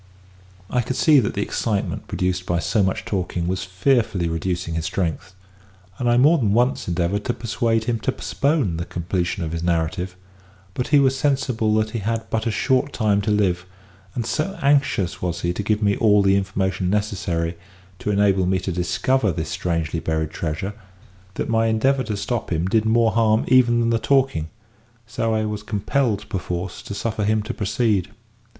I could see that the excitement produced by so much talking was fearfully reducing his strength, and I more than once endeavoured to persuade him to postpone the completion of his narrative; but he was sensible that he had but a short time to live, and so anxious was he to give me all the information necessary to enable me to discover this strangely buried treasure, that my endeavour to stop him did more harm even than the talking, so I was compelled perforce to suffer him to proceed.